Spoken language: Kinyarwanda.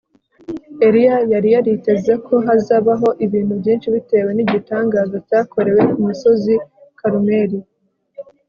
Eliya yari yariteze ko hazabaho ibintu byinshi bitewe nigitangaza cyakorewe ku musozi Karumeli